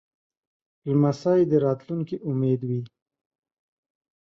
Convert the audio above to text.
لمسی د راتلونکې امید وي.